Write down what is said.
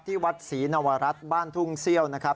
ที่วัดศรีนวรัฐบ้านทุ่งเซี่ยวนะครับ